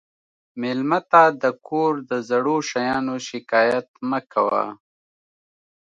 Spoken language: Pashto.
مېلمه ته د کور د زړو شیانو شکایت مه کوه.